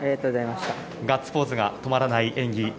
ガッツポーズが止まらない演技。